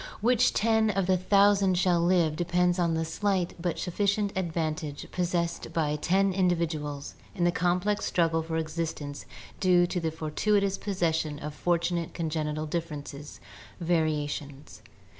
Which ten of the thousand shall live depends on the slight but suffi cient advantage possessed by ten individuals in the complex struggle for existence due to the fortuitous possession of fortunate congenital differences (variations).